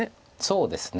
そうですね。